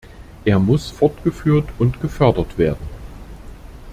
Er muss fortgeführt und gefördert werden.